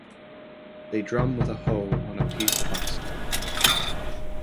They drum with a hoe on a piece of oxhide.